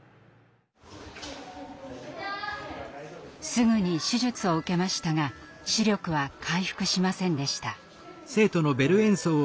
すぐに手術を受けましたが視力は回復しませんでした。